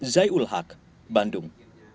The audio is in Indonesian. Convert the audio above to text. zaiul haq bandung